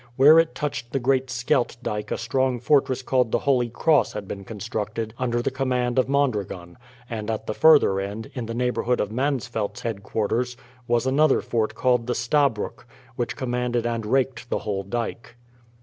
Where it touched the great Scheldt dyke a strong fortress called the Holy Cross had been constructed under the command of Mondragon, and at the further end, in the neighbourhood of Mansfeldt's headquarters, was another fort called the Stabroek, which commanded and raked the whole dyke.